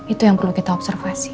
itu yang perlu kita observasi